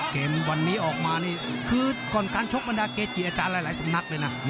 เกมวันนี้ออกมานี่คือก่อนการชกบรรดาเกจิอาจารย์หลายสำนักเลยนะ